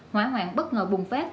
hỏa hoạn bất ngờ bùng phát